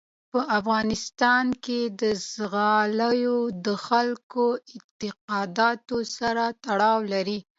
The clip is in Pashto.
په افغانستان کې زغال د خلکو د اعتقاداتو سره تړاو لري.